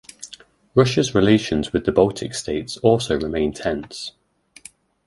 Russia's relations with the Baltic states also remain tense.